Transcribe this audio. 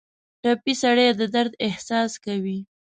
ټپي سړی د درد احساس کوي.